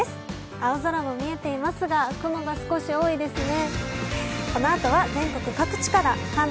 青空も見えていますが雲が少し多いですね。